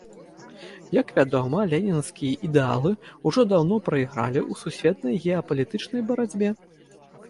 Як вядома, ленінскія ідэалы ўжо даўно прайгралі ў сусветнай геапалітычнай барацьбе.